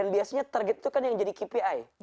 dan biasanya target itu kan yang jadi kpi